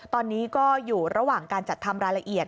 ตอนนี้ก็อยู่ระหว่างการจัดทำรายละเอียด